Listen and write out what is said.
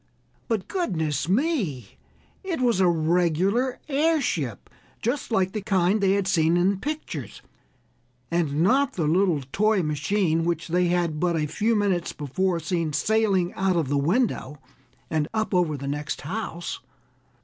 But, goodness me! it was a regular airship, just like the kind they had seen in pictures, and not the little toy machine which they had but a few minutes before seen sailing out of the window and up over the next house.